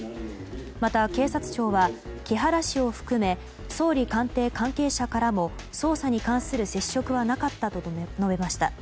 また、警察庁は木原氏を含め総理官邸関係者からも捜査に関する接触はなかったと述べました。